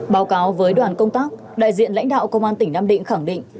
báo cáo với đoàn công tác đại diện lãnh đạo công an tỉnh nam định khẳng định